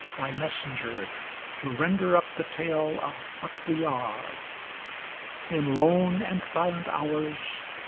Thy messenger, to render up the tale Of what we are. In lone and silent hours.